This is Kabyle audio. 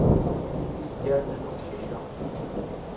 Yeggernen uqcic-a.